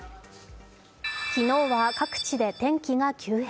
昨日は各地で天気が急変。